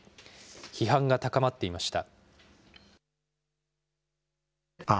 批判が高まっていました。